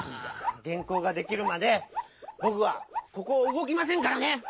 げんこうができるまでぼくはここをうごきませんからね！